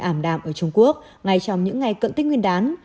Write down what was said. ảm đạm ở trung quốc ngay trong những ngày cận tết nguyên đán